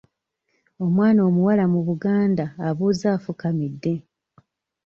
Omwana omuwala mu Buganda abuuza afukamidde.